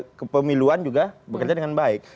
karena kepemiluan juga bekerja dengan baik